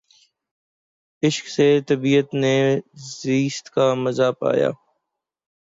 عشق سے طبیعت نے زیست کا مزا پایا